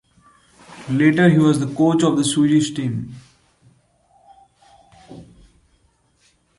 Later, he was coach of the Swedish team.